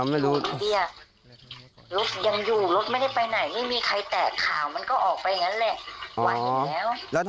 อ้าวไม่อยู่แล้วไปไหนอ่ะ